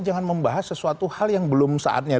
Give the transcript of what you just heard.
jangan membahas sesuatu hal yang belum saatnya